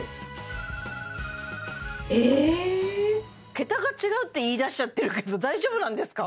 桁が違うって言いだしちゃってるけど大丈夫なんですか？